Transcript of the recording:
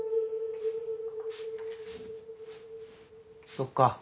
そっか。